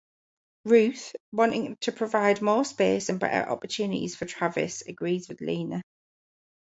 Ruth, wanting to provide more space and better opportunities for Travis, agrees with Lena.